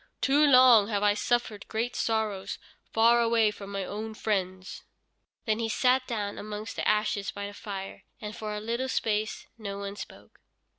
Too long have I suffered great sorrows far away from my own friends." Then he sat down amongst the ashes by the fire, and for a little space no one spoke.